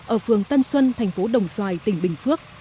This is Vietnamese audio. ở phường tân xuân thành phố đồng xoài tỉnh bình phước